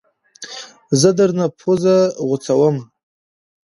زه درنه پوزه غوڅوم